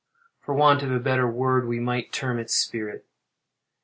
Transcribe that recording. For want of a better word we might term it spirit.